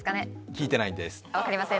聞いてないんです。